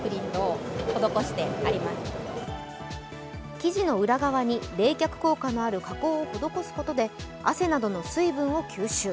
生地の裏側に冷却効果のある加工を施すことで汗などの水分を吸収。